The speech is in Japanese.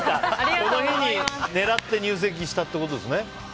この日に狙って入籍したってことですね？